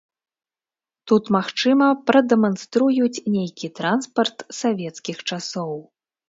Тут, магчыма, прадэманструюць нейкі транспарт савецкіх часоў.